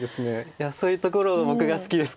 いやそういうところ僕が好きですけど。